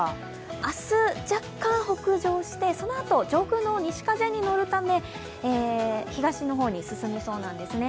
明日、若干北上して、そのあと、上空の西風に乗るため、東の方へ進みそうなんですね。